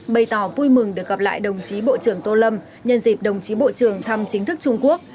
bày tỏ vui mừng được gặp lại đồng chí bộ trưởng tô lâm nhân dịp đồng chí bộ trưởng thăm chính thức trung quốc